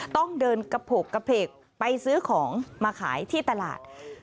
ต้องเดินกระโพกกระเพกไปซื้อของมาขายที่ตลาด